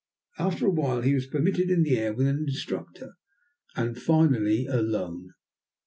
After a while he was permitted in the air with an instructor, and finally alone.